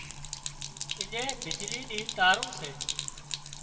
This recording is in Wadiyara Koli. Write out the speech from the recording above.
اڃين بجلي نِي تارُون سي